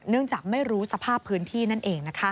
จากไม่รู้สภาพพื้นที่นั่นเองนะคะ